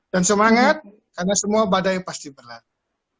dan semangat karena semua badai pasti berlalu